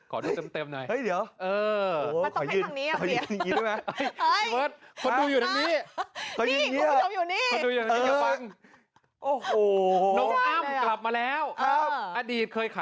ขอดูเต็มหน่อย